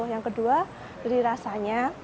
yang kedua dari rasanya